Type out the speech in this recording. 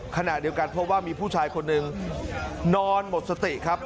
ขณะเดียวกันพบว่ามีผู้ชายคนหนึ่งนอนหมดสติครับ